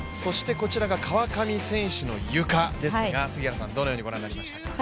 こちらが川上選手のゆかですがどのようにご覧になりましたか。